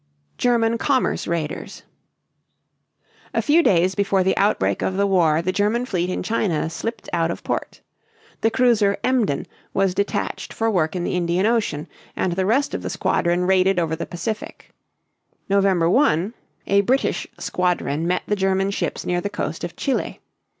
GERMAN COMMERCE RAIDERS. A few days before the outbreak of the war the German fleet in China slipped out of port. The cruiser "Emden" was detached for work in the Indian Ocean, and the rest of the squadron raided over the Pacific. November 1, a British squadron met the German ships near the coast of Chile.